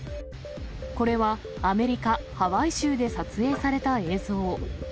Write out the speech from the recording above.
これはアメリカ・ハワイ州で撮影された映像。